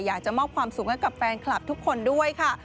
อยากจะมอบความสุขให้กับแฟนคลับทุกคนด้วยค่ะ